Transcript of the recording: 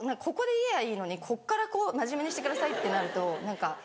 ここで言やぁいいのにここからこう「真面目にしてください」ってなると何か。